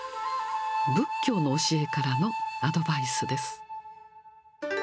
仏教の教えからのアドバイスです。